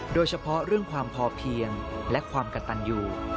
โดยเฉพาะเรื่องความพอเพียงและความกระตันอยู่